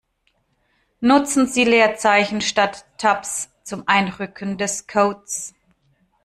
Nutzen Sie Leerzeichen statt Tabs zum Einrücken des Codes.